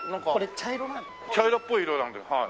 茶色っぽい色なんだよ。